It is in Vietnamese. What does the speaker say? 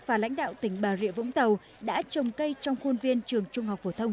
và lãnh đạo tỉnh bà rịa vũng tàu đã trồng cây trong khuôn viên trường trung học phổ thông